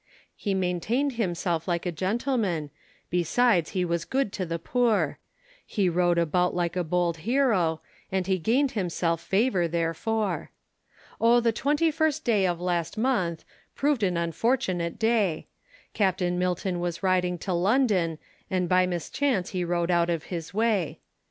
He maintained himself like a gentleman, Besides he was good to the poor; He rode about like a bold hero, And he gain'd himself favour therefore. Oh the Twenty first day of last month, Proved an unfortunate day; Captain Milton was riding to London, And by mischance he rode out of his way.